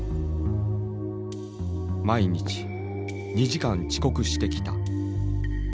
毎日２時間遅刻してきた。